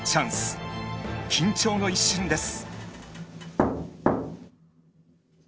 緊張の一瞬です。